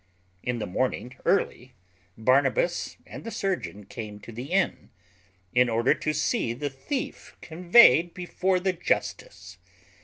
In the morning early, Barnabas and the surgeon came to the inn, in order to see the thief conveyed before the justice.